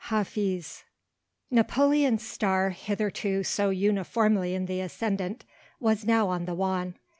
HAFIZ. Napoleon's star, hitherto so uniformly in the ascendant, was now on the wane.